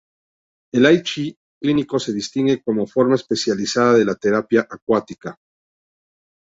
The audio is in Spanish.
El Ai Chi clínico se distingue como forma especializada de la terapia acuática.